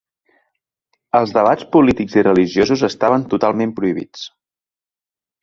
Els debats polítics i religiosos estaven totalment prohibits.